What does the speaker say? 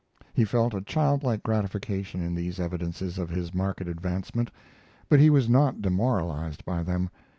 He felt a child like gratification in these evidences of his market advancement, but he was not demoralized by them.